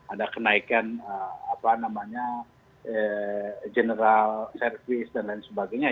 ada kenaikan apa namanya general service dan lain sebagainya